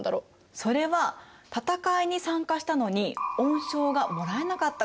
それは戦いに参加したのに恩賞がもらえなかったから。